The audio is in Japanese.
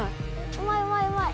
・うまいうまいうまい。